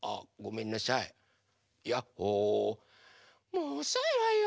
もうおそいわよ！